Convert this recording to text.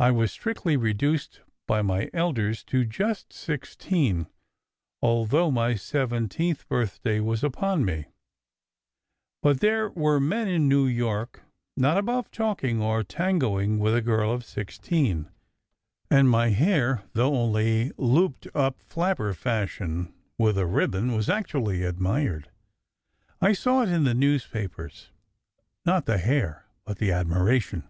I was strictly re duced by my elders to "just sixteen," although my seven teenth birthday was upon me; but there were men in New SECRET HISTORY 61 York not above talking or tangoing with a girl of sixteen, and my hair, though only looped up flapper fashion, with a ribbon, was actually admired. I saw it in the news papers not the hair, but the admiration.